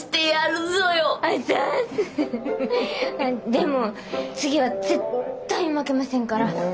でも次は絶対負けませんから。